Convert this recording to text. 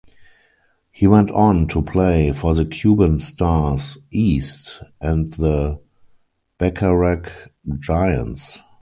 He went on to play for the Cuban Stars (East) and the Bacharach Giants.